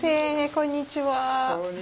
こんにちは。